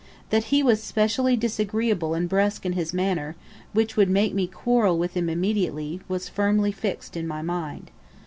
That he was specially disagreeable and brusque in his manner, which would make me quarrel with him immediately, was firmly fixed in my mind.